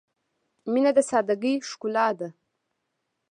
• مینه د سادګۍ ښکلا ده.